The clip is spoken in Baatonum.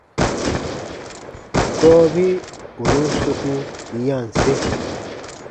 Gɔɔbi ù nùn soku yanse.